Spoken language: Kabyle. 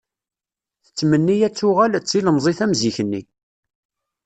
Tettmenni ad tuɣal, d tilemẓit am zik-nni.